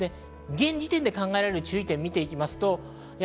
現時点で考えられる注意点を見ていきます。